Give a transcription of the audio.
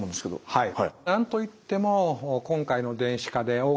はい。